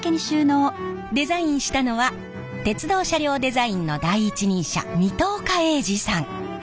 デザインしたのは鉄道車両デザインの第一人者水戸岡鋭治さん。